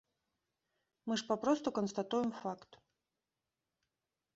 Мы ж папросту канстатуем факт.